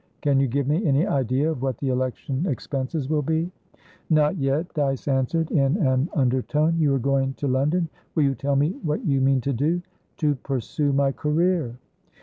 Can you give me any idea of what the election expenses will be?" "Not yet," Dyce answered, in an undertone. "You are going to London? Will you tell me what you mean to do?" "To pursue my career."